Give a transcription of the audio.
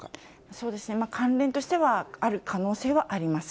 そうですね、関連としてはある可能性はあります。